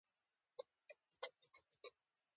د بولان پټي د افغانستان د جغرافیوي تنوع مثال دی.